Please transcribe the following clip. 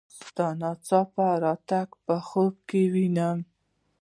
ستا ناڅاپه راتګ په خوب کې وینم.